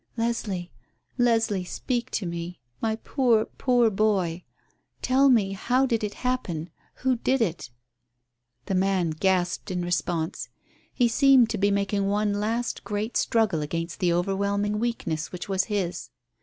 "Leslie, Leslie, speak to me. My poor, poor boy. Tell me, how did it happen? Who did it?" The man gasped in response. He seemed to be making one last great struggle against the overwhelming weakness which was his.